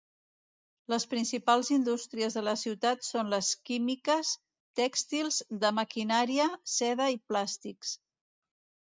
Les principals indústries de la ciutat són les químiques, tèxtils, de maquinària, seda i plàstics.